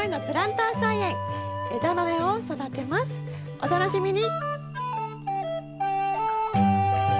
お楽しみに！